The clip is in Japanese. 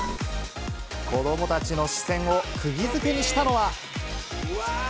子どもたちの視線をくぎづけにしたのは。